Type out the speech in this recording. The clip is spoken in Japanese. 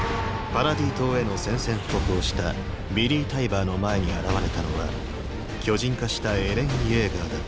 パラディ島への宣戦布告をしたヴィリー・タイバーの前に現れたのは巨人化したエレン・イェーガーだった。